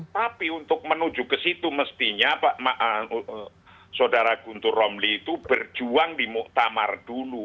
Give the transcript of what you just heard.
tapi untuk menuju ke situ mestinya pak saudara guntur romli itu berjuang di muktamar dulu